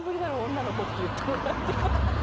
「女の子」って言ってもらえたの。